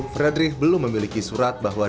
frederick belum memiliki surat bahwa